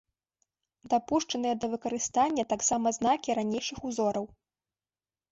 Дапушчаныя да выкарыстання таксама знакі ранейшых узораў.